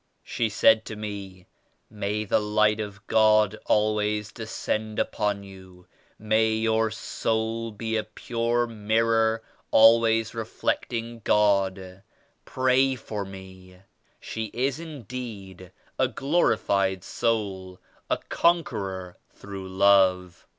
She said to me — "May the Light of God always descend upon you I May your soul be a pure mirror always reflecting God I Pray for me I" She is indeed a glorified soul, a conqueror through Love.